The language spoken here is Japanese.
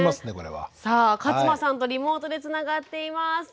これは。さあ勝間さんとリモートでつながっています。